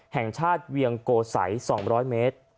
แห่งชาติเวียงโกสัย๒๐๐เมตร